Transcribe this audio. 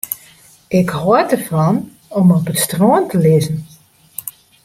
Ik hâld derfan om op it strân te lizzen.